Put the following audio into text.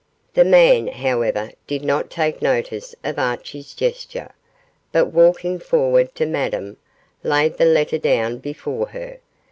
The man, however, did not take notice of Archie's gesture, but walking forward to Madame, laid the letter down before her.